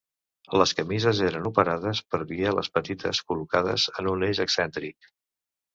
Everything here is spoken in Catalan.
Les camises eren operades per bieles petites col·locades en un eix excèntric.